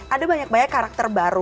ada banyak banyak karakter baru